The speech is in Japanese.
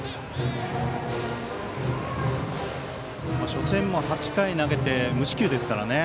初戦も８回投げて無四球ですからね。